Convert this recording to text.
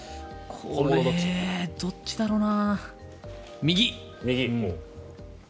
これはどっちだろうな。